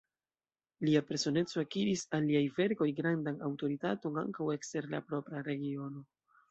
Lia personeco akiris al liaj verkoj grandan aŭtoritaton ankaŭ ekster la propra regiono.